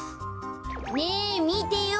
ねえみてよ